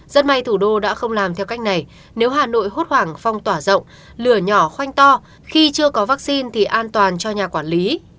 rất may thủ đô đã không làm theo cách này nếu hà nội hốt hoảng phong tỏa rộng lửa nhỏ khoanh to khi chưa có vaccine thì an toàn cho nhà quản lý